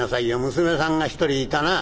娘さんが一人いたなぁ」。